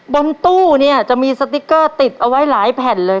บนตู้เนี่ยจะมีสติ๊กเกอร์ติดเอาไว้หลายแผ่นเลย